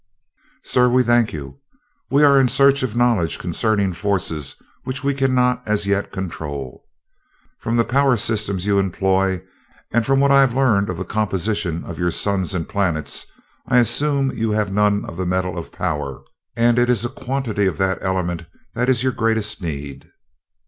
"Sir, we thank you. We are in search of knowledge concerning forces which we cannot as yet control. From the power systems you employ, and from what I have learned of the composition of your suns and planets, I assume you have none of the metal of power, and it is a quantity of that element that is your greatest need?"